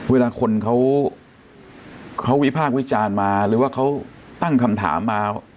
เวลาคนเขาวิพากษ์วิจารณ์มาหรือว่าเขาตั้งคำถามมา